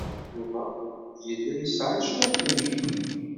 Yuba yella yesɛa cwiṭ n ccek.